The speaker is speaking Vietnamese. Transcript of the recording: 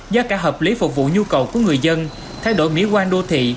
giá cả hợp lý phục vụ nhu cầu của người dân thay đổi mỹ quan đô thị